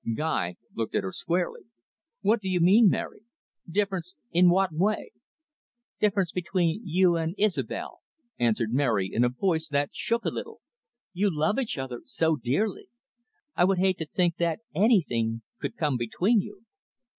Guy looked at her squarely. "What do you mean, Mary? Difference in what way?" "Difference between you and Isobel?" answered Mary, in a voice that shook a little. "You love each other so dearly. I would hate to think that anything could come between you."